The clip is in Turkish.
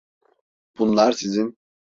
Bunlar sizin.